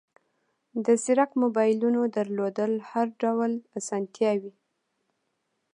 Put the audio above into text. د زیرک موبایلونو درلودل هر ډول اسانتیاوې